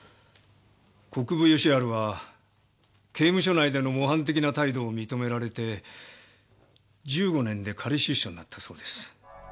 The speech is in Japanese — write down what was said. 国府吉春は刑務所内での模範的な態度を認められて１５年で仮出所になったそうです。